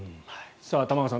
玉川さん